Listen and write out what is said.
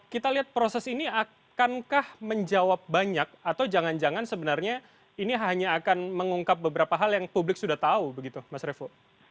kita lihat proses ini akankah menjawab banyak atau jangan jangan sebenarnya ini hanya akan mengungkap beberapa hal yang publik sudah tahu begitu mas revo